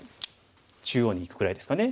中央にいくぐらいですかね。